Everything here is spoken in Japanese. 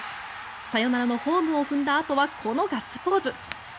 サヨナラのホームを踏んだあとはこのガッツポーズ。